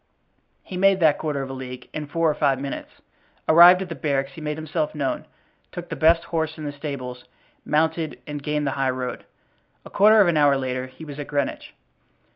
He made that quarter of a league in four or five minutes. Arrived at the barracks he made himself known, took the best horse in the stables, mounted and gained the high road. A quarter of an hour later he was at Greenwich.